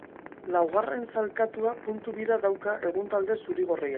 Laugarren sailkatua puntu bira dauka egun talde zuri-gorriak.